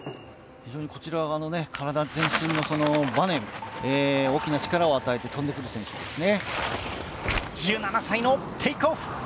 非常にこちら側は、体全体のバネ大きな力を与えて飛んでくる選手ですね。